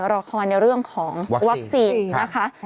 รอคอยในเรื่องของวัคซีนนะคะ